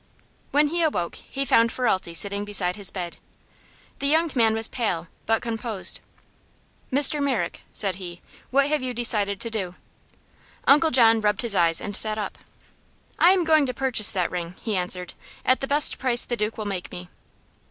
When he awoke he found Ferralti seated beside his bed. The young man was pale, but composed. "Mr. Merrick," said he, "what have you decided to do?" Uncle John rubbed his eyes and sat up. "I'm going to purchase that ring," he answered, "at the best price the Duke will make me."